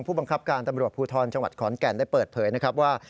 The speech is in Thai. ผู้บังคับการตำรวจภูทรจังหวัดขอนแก่นได้เปิดเผยนะครับว่า